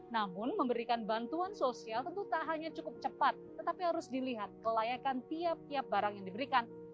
namun memberikan bantuan sosial tentu tak hanya cukup cepat tetapi harus dilihat kelayakan tiap tiap barang yang diberikan